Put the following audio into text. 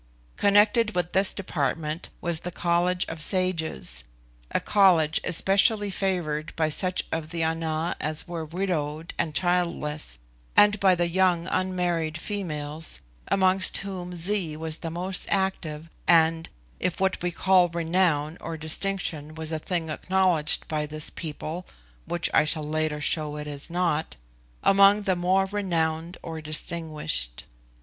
Connected with this department was the College of Sages a college especially favoured by such of the Ana as were widowed and childless, and by the young unmarried females, amongst whom Zee was the most active, and, if what we call renown or distinction was a thing acknowledged by this people (which I shall later show it is not), among the more renowned or distinguished.